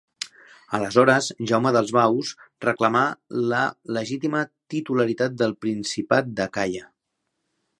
Aleshores Jaume dels Baus reclamà la legítima titularitat del Principat d'Acaia.